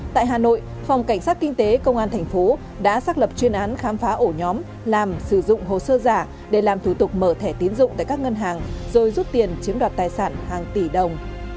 tại hà nội phòng cảnh sát kinh tế công an thành phố đã xác lập chuyên án khám phá ổ nhóm làm sử dụng hồ sơ giả để làm thủ tục mở thẻ tiến dụng tại các ngân hàng rồi rút tiền chiếm đoạt tài sản hàng tỷ đồng